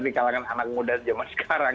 di kalangan anak muda zaman sekarang